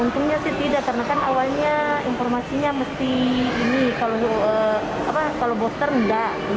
tapi alhamdulillah ada informasi dari pihak itu darma laut utama